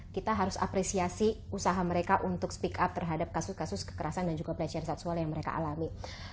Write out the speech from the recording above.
kita harus apresiasi usaha mereka untuk speak up terhadap kasus kasus kekerasan dan juga pelecehan seksual yang mereka alami